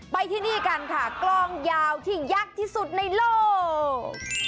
ไปที่นี่กันค่ะกลองยาวที่ยักษ์ที่สุดในโลก